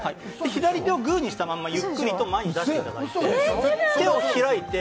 左手をグーにしたまま、ゆっくりと前に出していただいて。